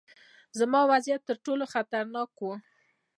زما وضعیت ترټولو خطرناک و.